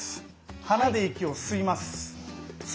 鼻で息を吸います。